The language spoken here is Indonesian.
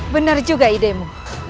benar juga idemu